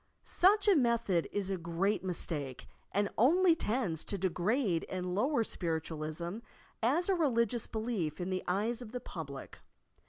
Such a method is a great mistake and only tends to degrade and lower Spiritualism as a religious belief in the eyes of the pub lic.